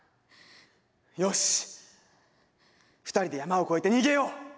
よし２人で山を越えて逃げよう！